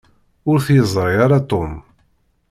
Ur t-yeẓṛi ara Tom.